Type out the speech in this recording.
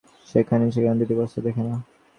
কেহই সেখানে দুইটি বস্তু দেখে না।